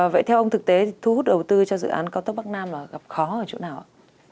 vậy theo ông thực tế thu hút đầu tư cho dự án cao tốc bắc nam là gặp khó ở chỗ nào ạ